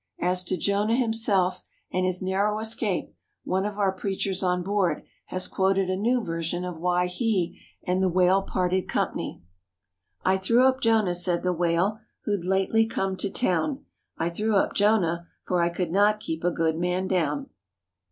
As to Jon^h himself and his narrow escape, one of our preachers on board has quoted a new version of why he and the whale parted company :" I threw up Jonah," said the whale, Who'd lately come to town; " I threw up Jonah, For I could not keep a good man down."